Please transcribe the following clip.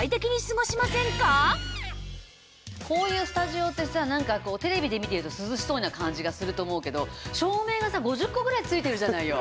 こういうスタジオってさなんかこうテレビで見てると涼しそうな感じがすると思うけど照明がさ５０個ぐらいついてるじゃないよ。